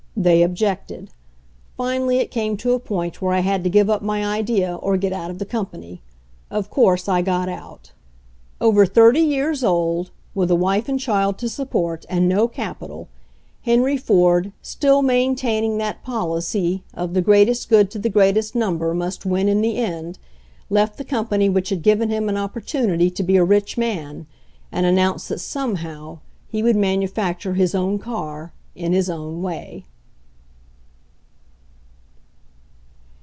They objected. Finally it came to a point where I had to give up my idea or get out of the company. Of course I got out" Over thirty years old, with a wife and child to support, and no capital, Henry Ford, still main taining that policy of "the greatest good to the greatest number" must win in the end, left the company which had given him an opportunity to be a rich man and announced that somehow he would manufacture his own car in his own way.